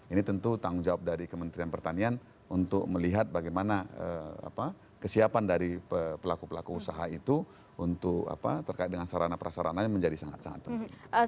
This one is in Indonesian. ini tentu tanggung jawab dari kementerian pertanian untuk melihat bagaimana kesiapan dari pelaku pelaku usaha itu untuk terkait dengan sarana prasarananya menjadi sangat sangat penting